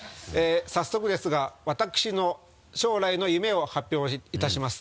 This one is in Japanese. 早速ですが私の将来の夢を発表いたします。